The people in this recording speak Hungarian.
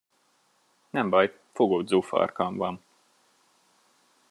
Nem baj, fogódzófarkam van.